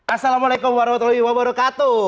assalamualaikum warahmatullahi wabarakatuh